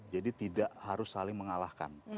jadi tidak harus saling mengalahkan